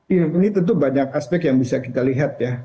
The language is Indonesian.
ya ini tentu banyak aspek yang bisa kita lihat ya